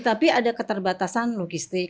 tapi ada keterbatasan logistik